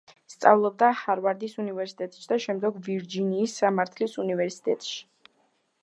სწავლობდა ჰარვარდის უნივერსიტეტში და შემდგომ ვირჯინიის სამართლის უნივერსიტეტში.